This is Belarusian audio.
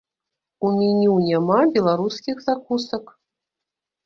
У меню няма беларускіх закусак.